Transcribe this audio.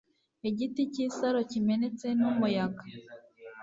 Igiti cyisaro kimenetse numuyaga